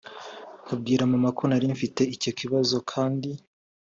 nkabwira mama ko nari mfite icyo kibazo kandi